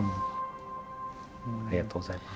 ありがとうございます。